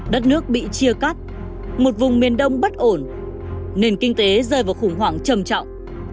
đất nước bị chia cắt một vùng miền đông bất ổn nền kinh tế rơi vào khủng hoảng trầm trọng